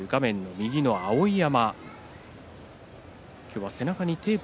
右の碧山。